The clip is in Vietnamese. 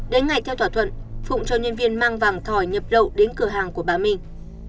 đến ngày theo thỏa thuận phụng cho nhân viên mang vàng thỏi nhập lậu đến cửa hàng của bà minh